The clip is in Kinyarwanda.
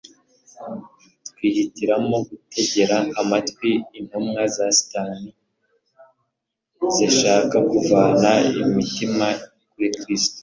twihitiramo gutegera amatwi intumwa za Satani zishaka kuvana imitima kuri Kristo.